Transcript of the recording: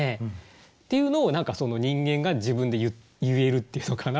っていうのを何か人間が自分で言えるっていうのかな。